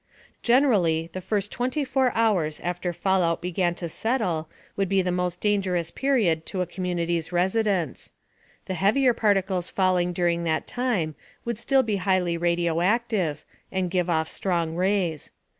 Generally, the first 24 hours after fallout began to settle would be the most dangerous period to a community's residents. The heavier particles falling during that time would still be highly radioactive and give off strong rays.